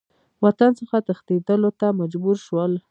وطن څخه تښتېدلو ته مجبور شول.